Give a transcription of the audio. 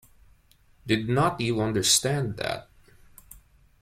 Did not you understand that?